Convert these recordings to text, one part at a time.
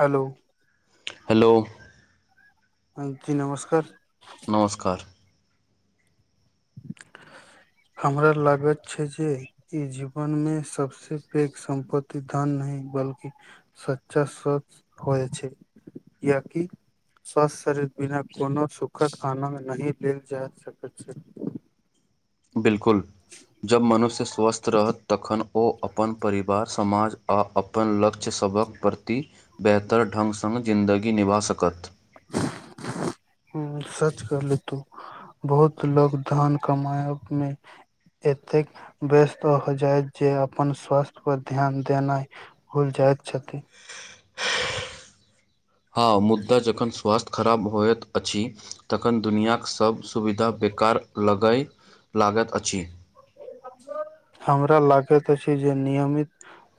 Hello hello ह जी नमस्कार नमस्कार ह हमरा लागत छै जे ई जीवन मे सबस पैघ सम्पत्तति धन नहि बल्कि सच्चा स होइ छै कियाकी स्वासथ शरीर बिना कोनो सुखद आनन्द नहि लेल जा सकैत छै बिलकुल जब मनुष्य स्वस्थ रहत तखन ओ अपन परिवार समाज आ अपन लक्ष्य सभक प्रति बेहतर ढंगसँ जिन्दगी निभा सकत ह सच कहले तु बहुत लोग धन कमायमे एतेक व्यस्त हो जाय जे अपन स्वास्थ्य पर ध्यान देनाइ भुल जाय अच छथि हँ मुद्दा जखन स्वास्थ्य खराब होइत अछि तखन दुनियाक सभ सुविधा बे कार लगय लागत अछि हमरा लागैत अछि जे नियमित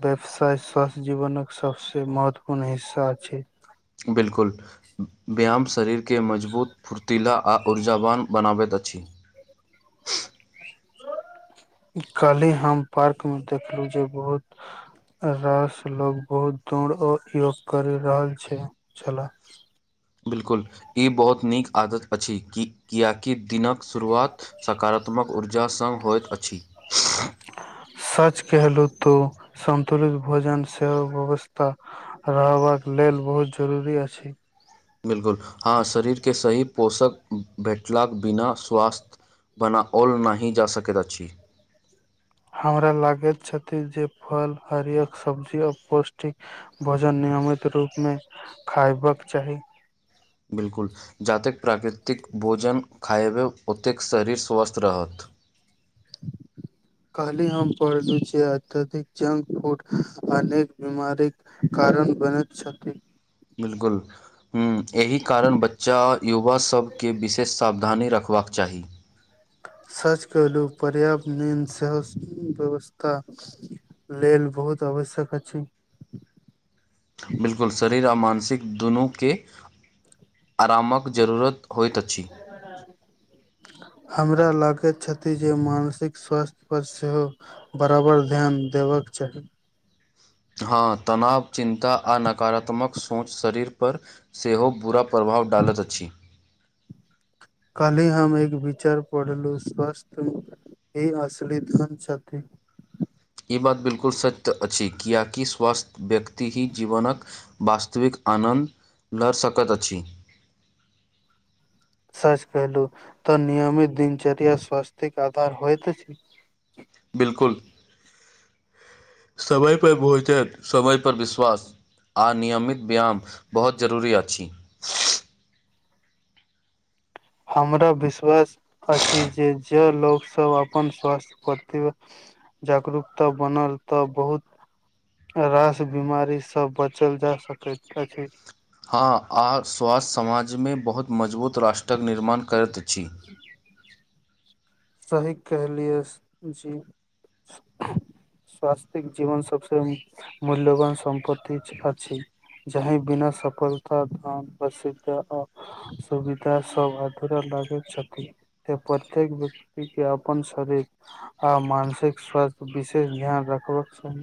व्यवसाय स्वास्थ्य जीवनके सबसे महत्वपूर्ण हिस्सा छै बिलकुल व्यायाम शरीरके मजबूत फुर्तीला आ ऊर्जावान बनाबैत अछि [inaudible] कलहि हम पार्क मे देखलहुँ जे बहुत रास लोको बहुत दौड़ आ योग करि रहल छै छलाह बिल्कुल ई बहुत नीक आदत अछि कि किया कि दिनक शुरुआत सकारात्मक ऊर्जासँ होइत अछि सच कहलहुँ तु संतुलित भोजन सेहो व्यवस्था रहबाक लेल बहुत जरूरी अछि बिलकुल हँ शरीर के सही पोषक भेटलाक बिना स्वास्थ्य बना ओल नहि जा सकैत अछि हमरा लागैत छथि जे फल हरियर सब्जी ओर पौष्टिक भोजन नहि नियमित रूपमे खायबाक चाही बिल्कुल जतेक प्राकृतिक भोजन खायबै ओतेक शरीर स्वस्थ रहत [inaudible] कहली हम पढ़लु छियै अत्यधिक जंक फूड अनेक बीमारी कारण बने छथि बिलकुल ह एहि कारण बच्चा युवा सभके विशेष सावधानी रखबाक चाही सच कहलू पर्याप्त नींद सेहो व्यवस्था लेल बहुत आ वश्यक अछि [inaudible] दुनू के अरामक जरूरत होइत अछि हमरा लागैत छथि जे मानसिक स्वास्थ्य पर सेहो बराबर ध्यान देबक चाही हँ तनाव चिन्ता आ नकारात्मक सोच शरीर पर सेहो बुरा प्र भाव डालत अछि काल्ही हम एक विचार पढ़लु स्वस्थ्य ही असली धन छथि ई बात बिलकुल सत्य अछि किया कि स्वस्थ व्यक्ति ही जीवनक वास्तविक आनन्द ल‌ सकत अछि सच कहलु तऽ नियमित दिनचरिया स्वास्तिक आधार होइत छै बिलकुल समय पर भोजन समय पर विश्वास आ नियमित व्यायाम बहुत जरूरी अछि हमरा विश्वास अछि जे जे लोकसभ अपन स्वास्थ्य प्रति जागरूकता बनल तऽ बहुत रास बिमारीसँ बचल जा सकैत अछि हँ आ स्वास्थ्य समाजमे बहुत मजबूत राष्ट्रक निर्माण करैत अछि सही कहलियै जी स्वासथिक जीवन ससे मूल्यवान सम्पत्ति आ छी जहय बिना सफलता धन असिधा आ सुविधा सब आधार लागे छथि प्रत्येक व्यक्ति के अपन शरीर आ मानसिक स्वास्थ विशेष ध्यान रखबाक स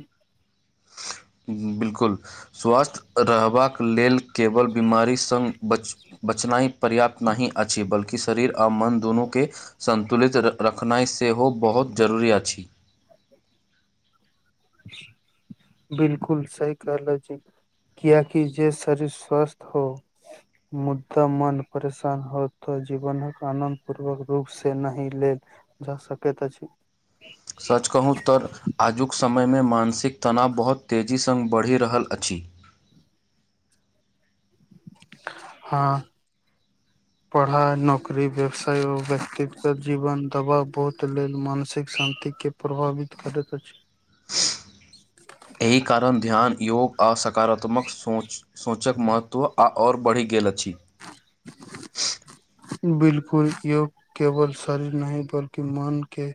बिलकुल स्वस््थ रहबाक लेल केवल बीमारी सङ् बच बचनाइ पर्याप्त नहि अछि बल्कि शरीर आ मन दुनू के संन्तुलित रखनाइ सेहो बहुत जरूरी अछि [inaudible] [inaudible] बिलकुल सही कहलखिन कियाकि जे शरीर स्वस्थ हो मुद्दा मन परेशान हो तऽ जीवनक आनंद पूर्वक रूप से नहि लेल जा सकैत अछि सच कहूँ तऽ आजुक समयमे मानसिक तनाव बहुत तेजी सङ् बढ़ि रहल अछि हँ ह पढ़ाइ नौकरी व्यवसाय आ व्यक्तित्व जीवन दबाव बोत लेल मानसिक शान्ति के प्रभावित करैत छै [inaudible] एहि कारण ध्यान योग आ सकारात्मक सोच सोचक महत्त्व आ आओर बढ़ि गेल अछि बिलकुल योग केवल शरीर नहि बल्कि मन के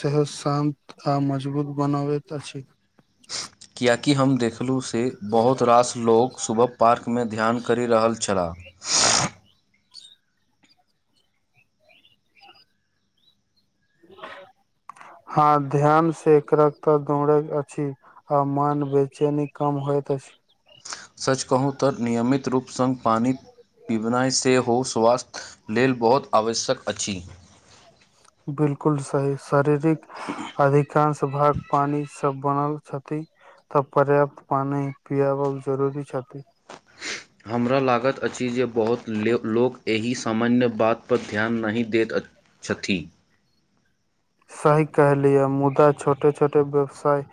सहत शान्त आ मजबूत बनाबैत अछि किएकि हम देखलहुँ से बहुत रास लोक सुबह पार्कमे ध्यान करि रहल छलाह [inaudible] हँ ध्यान से एकरक तऽ दौड़ैत अछि आ मान बेचेनी कम होइत अछि सच कहूँ तऽ नियमित रूप सङ् पानी पिबनाइ सेहो स्वास्थ्य लेल बहुत आवश्यक अछि बिलकुल सही शारीरिक अधिकांश भाग पानी स बनल छथि तब पर्याप्त पानी पियाबल जरूरी छथि [inaudible] हमरा लागैत अछि जे बहुत लोक एहि सामान्य बातपर ध्यान नहि दैत छथि सही कहलियै मुदा छोटे छोटे व्यवसाय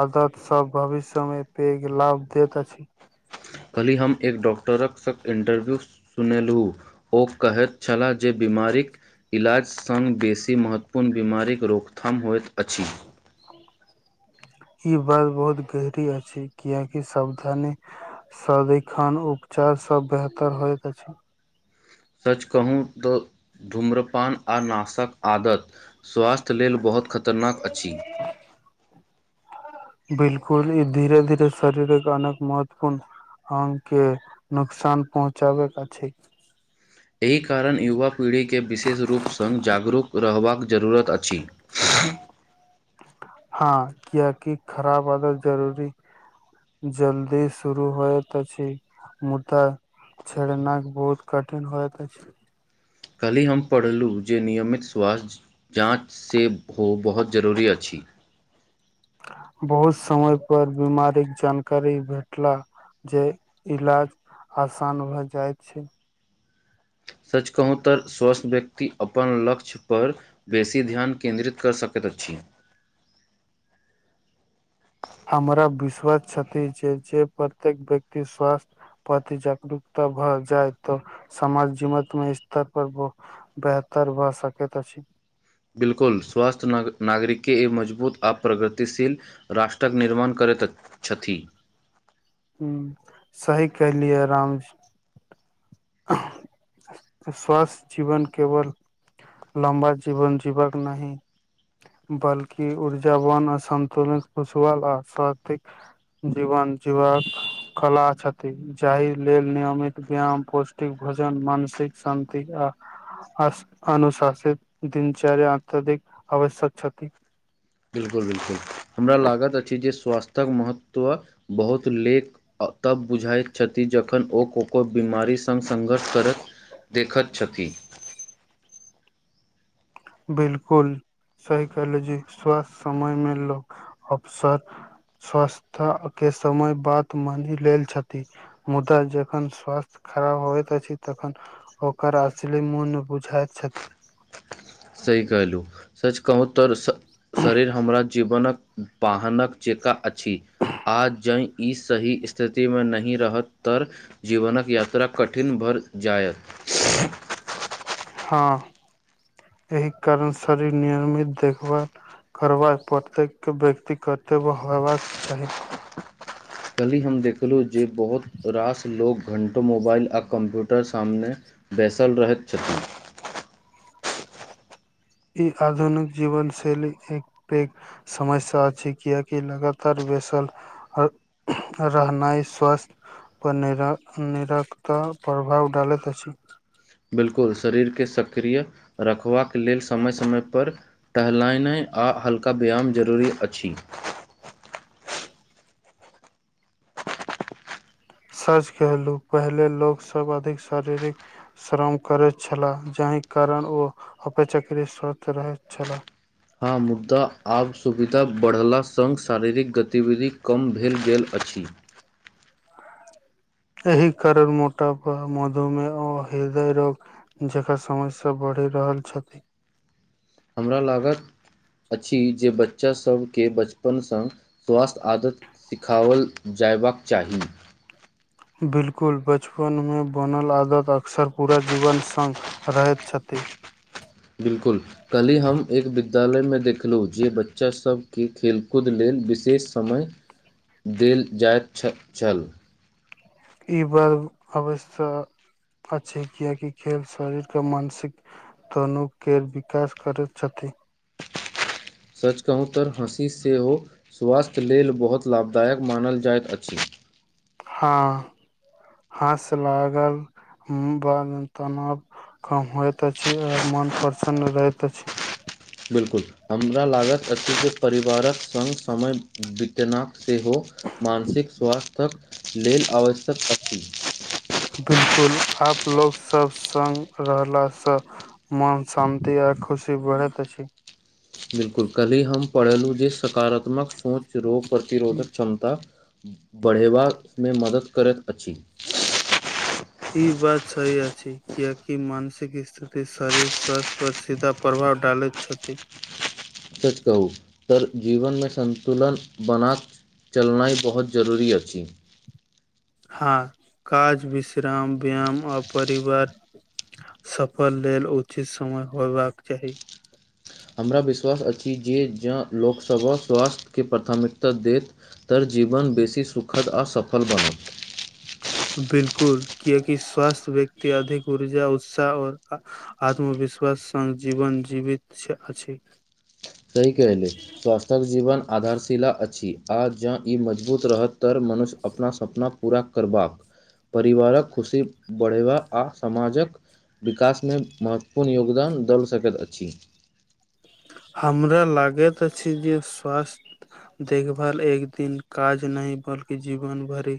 आदत सभ भविष्यमे पेघ लाभ देैत छी कहल्हि हम एक डॉक्टरक इंटरव्यू सुनेलहुँ ओ कहैत छलाह जे वि बीमारीक इलाज सङ्ग बेसी महत्वपूर्ण बीमारीक रोकथाम होइत अछि [inaudible] ई बात बहुत गहरी अछि कियाकि सावधानी सदिखन उपचार सभ बेहतर होइत अछि सच कहू तऽ धूम्रपान आ नाशक आदत स्वास्थ्य लेल बहुत खत तरनाक अछि बिलकुल ई धीरे धीरे शरीरक अनेक महत्वपूर्ण आंग के नुकसान पहुँचाबैत अछि एहि कारण युवा पीढ़ी के विशेष रूप सँ जागरूक रहबाक जरूरत अछि हँ कियाकि खराब आदत जरूरी जल्दी शुरू होइत अछि मुदा छड़ न बहुत कठिन होय अछि काल्हि हम पढ़लहुँ जे नियमित स्वास्थ्य जाँचसँ हो बहुत जरूरी अछि [inaudible] बहुत समय पर बीमारीक जानकारी भेटला जे इलाज आसान भए जाइत छै सच कहू तऽ स्वस्थ व्यक्ति अपन लक्ष्य पर बेसी ध्यान केंन्द्रित कर सकत अछि हमरा विश्वास छती जे जे प्रत्येक व्यक्ति स्वस्थ प्रति जागरूकता भऽ जाय तऽ समाज जीवत मे स्तर पर पैर कर बा सकेत अछि बिलकुल स्वस्थ्य नाग नागरिके ई मजबूत आ् प्रगतिशील राष्ट्रक निर्माण कर करैत छथि ह सही कहलियै रामजी [inaudible] स्वासथ जीवन केवल लम्बा जीवन जीवक नहि बल्कि ऊर्जाावान अ सन्तुलन खुशहाल आ स्वातिक जीवन जीवक कला छथि जाहि लेल नियमित व्यायाम पोष्ट भोजन मानसिक शान्तिक आ अस अनुशासित दिनचर्य अत्यधिक आवश्यक छथि बिल्कुल बिलकुल हमरा लागैत अछि जे स्वास्थ्यक महत्व बहुत लेक तब बुझाइत छथि जखन ओ कोको बीमारी सङ् संघर्ष करैत देखैत छथि बिल्कुल साइकोलोजी स्वास्थ समय मे लोग अवसर स्वस्थ के समय बात मानि लेल छथि मुदा जखन स्वास्थ्य खराब होइत अछि तखन ओकर अश्ली मन बुझाइत छथि सही कहलु सच कहु त शरीर हमरा जीवनक वाहनक जेका अछि आज ज ई सही स्थिति मे नहि रहत त जीवनक यात्रा कठिन भर जाायत हँ एहि कारण शरीर नियमित देखभाल करबा प्रत्येक व्यक्ति कर्तव्य होबाक चाही कहली हम देखलहुँ जे बहुत रास लोग घण्टो मोबाइल आ कम्प्यूटर सामने बैसल रहैत छथिन ई आधुनिक जीवनशैली एक प समस्या अछि छै किएकि लगातार बैसल रहनाइ स्वास्थ्य पर निर निरकत प्रभाव डालैत अछि बिलकुल शरीर के सक्रिय रखबाक लेल समय समय पर टहलायने आ आ हल्का व्यायाम जरूरी अछि सच कहलहु पहिले लोक सभ अधिक शारीरिक श्रम करैत छलाह जे एहि कारण ओ अपचक्री सवस्थ रहैत छलाह हँ मुदा आब सुविधा बढ़ला सङ्ग शारीरिक गतिविधि कम भेल गेल अछि [inaudible] एहि कारण मोटापा मधुमेह हृदय रोग जेका समस्या बढ़ बढ़ि रहल छथिन हमरा लागल अछि जे बच्चास सभके बचपनसँ स्वास्थ्य आदत सिखाओल जा जयबाक चाही बिलकुल बचपनमे बनल आदत अक्सर पूरा जीवन सङ्ग रहैत छथिन [inaudible] बिलकुल कली हम एक वि विद्यालयमे देखलहुँ जे बच्चासभके खेलकूद लेल विशेष समय देल जाइत छल छल ई बर्ग अवश अछि कियाकि खेल शरीरके मानसिक तनु के विकास करैत छथि [unintelligible] सच कहूँ तऽ हँसी सेहो स्वास्थ्य लेल बहुत लाभदायक मानल जाइत अछि। हँ हँस लागल बाद तनाव कम होइत अछि आ मन प्रसन्न रहैत अछि बिल्कुल हमरा लागत अछि जे परिवारक सङ्ग समय बितेना सेहो मानसिक स्वास्थ्यक लेल आवश्यक अछि बिल्कुल आप लोग सब संग रहला से मन शांति आ खुशी बढ़ैत अ छी बिलकुल कल्हि हम पढ़ेलहुँ जे सकारात्मक सोच रोग प्रतिरोधक क्षमता बढ़यबामे मदद करैत अछि ई बात सही अछि कियकि मानसिक स्थिति शरीर स्वास्थ्य पर सीधा प्रभाव डालेत छथि सच कहू तऽ जीवनमे संन्तुलन बना चलनाई बहुत जरूरी अछि हँ काज विश्राम व्यायाम आ परिवार सफल लेल उचित समय होयबाक चाही हमरा विश्वास अछि जे जँ लोकसभा स्वास्थ्यके प्राथमिकता देत त जीवन बेसी सुखद आ सफल बनत बिलकुल कियाकि स्वास्थ्य व्यक्ति अधिक ऊर्जा उत्साह आ आत्मवि विश्वास स जीवन जीवित अछि। सही कहलिये स्वास्थ्यक जीवन आधारशिला अछि आ जँ ई मजबूत रहत तर मनुष्य अपना सपना पूरा करबाक परिवारक खुशी बढ़ेबा आ समाजक विकासमे महत्वपूर्ण योगदान दल सकैत अछि। हमरा लागैत अछि, जे स्वास्थ देखभाल एक दिन काज नहि बल्कि जीवन भरि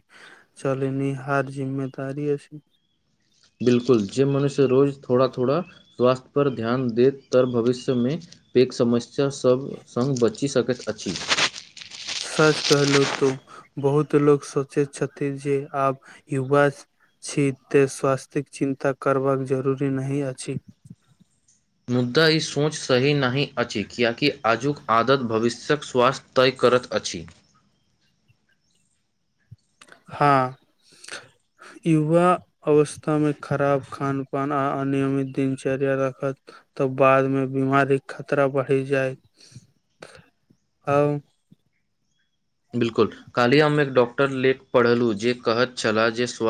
चलनिहार जिम्मेदारी अछि। बिलकुल जे मनुष्य रोज थोड़ा थोड़ा स्वास्थ्य पर ध्यान देत तर भविष्यमे पैघ समस्यास सभ सङ्ग बचि सकैत अछि। सच कहलहु तो बहुत लोक सोचैत छथि। जे आब युवा छी ते स्वास्थिक चिन्ता करबाक जरूरी नहि अछि। मुद्दा ई सोच सही नहि अछि, कियकि आजुक आदत भविष्य शक स्वास्थ्य तय करैत अछि, हँ, [inaudible] युवा अवस्था मे खराब खान पान आ अनियमित दिनचर्या राखत तऽ बाद मे बिमारी खतरा बढ़ी जाय [inaudible] आ बिल्कुल काली हम एक डॉक्टर लेख पढ़लहुँ जे कहैत छला जे स्वास्थ